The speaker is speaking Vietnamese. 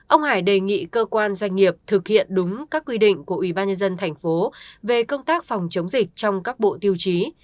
ông hải đề nghị cơ quan doanh nghiệp thực hiện đúng các quy định của ubnd tp về công tác phòng chống dịch trong các bộ tiêu chí